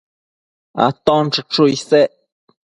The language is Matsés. Aton chuchu isec